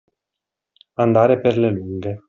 Andare per le lunghe.